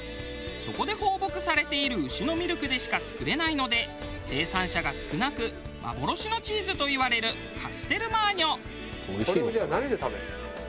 そこで放牧されている牛のミルクでしか作れないので生産者が少なく幻のチーズといわれるカステルマーニョ。